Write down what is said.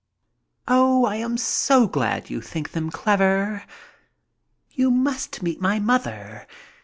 "Oh, I am so glad you think them clever. You must meet my mother.